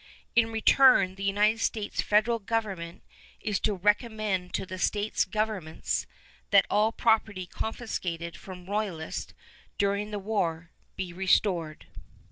In return the United States federal government is to recommend to the States Governments that all property confiscated from Royalists during the war be restored.